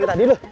dari tadi loh